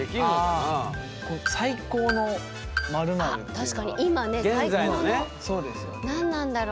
あっ確かに今ね最高の。何なんだろう？